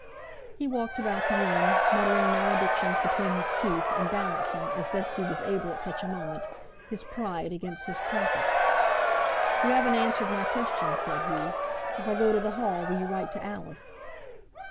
He walked about the room, muttering maledictions between his teeth and balancing, as best he was able at such a moment, his pride against his profit. "You haven't answered my question," said he. "If I go to the Hall, will you write to Alice?"